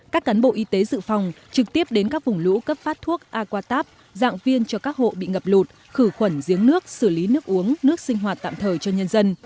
các cán bộ y tế dự phòng trực tiếp đến các vùng lũ cấp phát thuốc aquatabong viên cho các hộ bị ngập lụt khử khuẩn giếng nước xử lý nước uống nước sinh hoạt tạm thời cho nhân dân